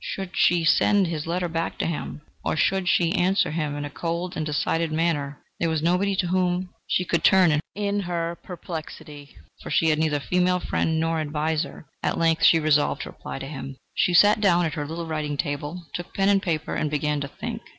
Should she send his letter back to him, or should she answer him in a cold and decided manner? There was nobody to whom she could turn in her perplexity, for she had neither female friend nor adviser... At length she resolved to reply to him. She sat down at her little writing table, took pen and paper, and began to think.